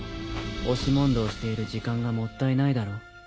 押し問答している時間がもったいないだろ。